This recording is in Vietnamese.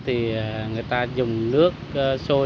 thì người ta dùng nước sôi